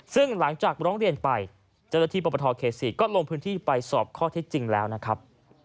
ซึ่งหลังจากร้องเรียนไปเจ้าหน้าที่ปปทเขต๔ก็ลงพื้นที่ไปสอบข้อเท็จจริงแล้วนะครับ